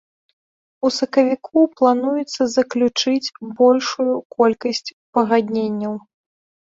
У сакавіку плануецца заключыць большую колькасць пагадненняў.